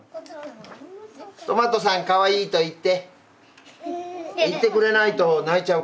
とまとさんかわいいと言って言ってくれないと泣いちゃうから。